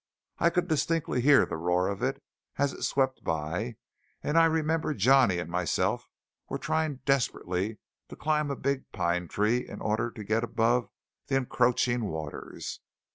I could distinctly hear the roar of it, as it swept by; and I remember Johnny and myself were trying desperately to climb a big pine tree in order to get above the encroaching waters.